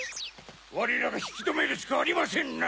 われらがひきとめるしかありませんな。